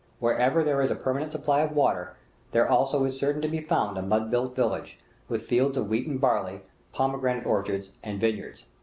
Wherever there is a permanent supply of water, there also is certain to be found a mud built village, with fields of wheat and barley, pomegranate orchards, and vineyards.